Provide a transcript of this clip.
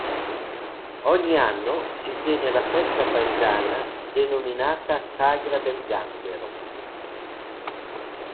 Ogni anno si tiene la festa paesana, denominata "Sagra del Gambero".